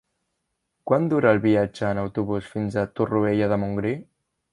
Quant dura el viatge en autobús fins a Torroella de Montgrí?